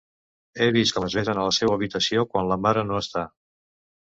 He vist com es besen a la seua habitació quan la mare no està...